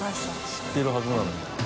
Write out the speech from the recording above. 知ってるはずなのに。